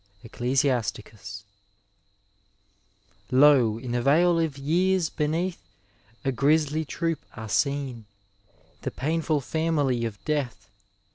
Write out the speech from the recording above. EoousiAsnous xix. 10. Lo, in the vale of yeaJre beneath A grisly troop are seen, The pi^nful family of death.